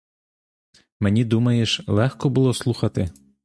Мені, думаєш, легко було слухати?